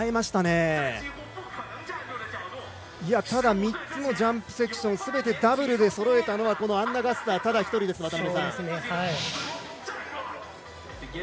ただ、３つのジャンプセクションすべてダブルでそろえたのはこのアンナ・ガッサーただ１人です。